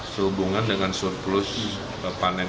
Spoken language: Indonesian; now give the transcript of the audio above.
sehubungan dengan surplus panen